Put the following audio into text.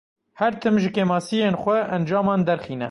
Her tim ji kemasiyên xwe encaman derxîne.